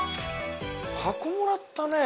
箱もらったね。